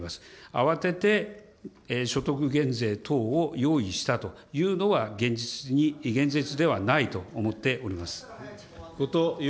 慌てて所得減税等を用意したというのは現実ではないと思っております。